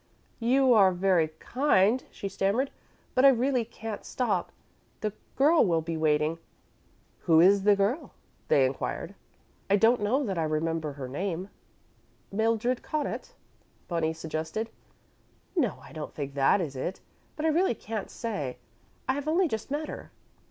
"You are very kind," she stammered, "but I really can't stop. The girl will be waiting." "Who is the girl?" they inquired. "I don't know that I remember her name." "Mildred Connaught?" Bonnie suggested. "No; I don't think that is it, but I really can't say. I have only just met her."